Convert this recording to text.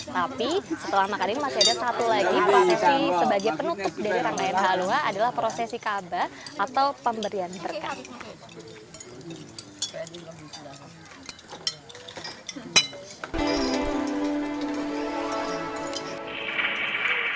tapi setelah makan ini masih ada satu lagi prosesi sebagai penutup dari rangkaian halua adalah prosesi kaba atau pemberian terkap